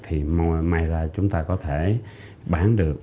thì may ra chúng ta có thể bán được